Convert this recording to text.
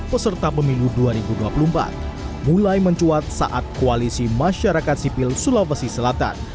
peserta pemilu dua ribu dua puluh empat mulai mencuat saat koalisi masyarakat sipil sulawesi selatan